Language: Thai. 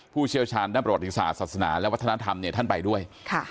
เชี่ยวชาญด้านประวัติศาสตร์ศาสนาและวัฒนธรรมเนี่ยท่านไปด้วย